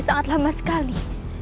sangat lama sekali